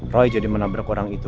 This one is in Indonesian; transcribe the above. roy jadi menabrak kurang itu